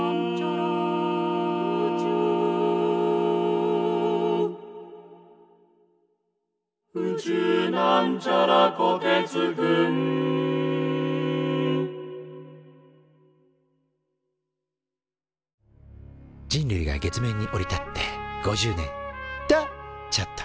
「宇宙」人類が月面に降り立って５０年！とちょっと。